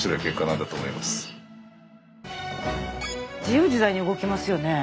自由自在に動きますよね。